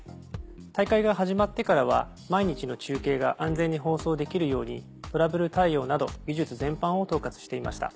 大会が始まってからは毎日の中継が安全に放送できるようにトラブル対応など技術全般を統括していました。